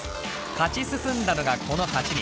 勝ち進んだのがこの８人。